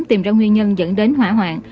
tìm ra nguyên nhân dẫn đến hỏa hoạn